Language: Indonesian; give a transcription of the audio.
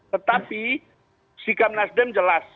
tetapi sikap nasdem jelas